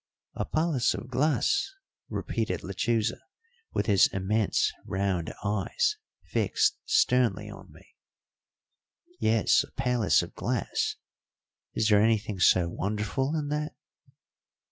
"A palace of glass!" repeated Lechuza, with his immense round eyes fixed sternly on me. "Yes, a palace of glass is there anything so wonderful in that?"